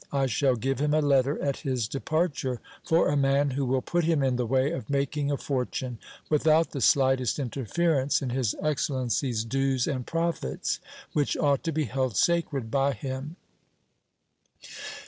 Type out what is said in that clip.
I shall give him a letter at his departure for a man who will put him in the way of making a fortune, without the slightest interference in his excellency's dues and profits, which ought to be held sacred by him.